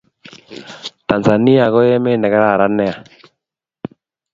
Tanzania ko emet ne kararan nea